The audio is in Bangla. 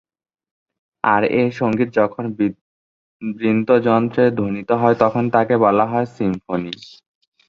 আর এ সঙ্গীত যখন বৃন্দযন্ত্রে ধ্বনিত হয় তখন তাকে বলা হয় সিম্ফনি।